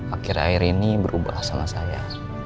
akhir akhir ini berubah sama saya